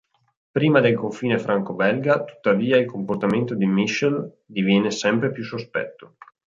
Prima del confine franco-belga, tuttavia, il comportamento di Michel diviene sempre più sospetto.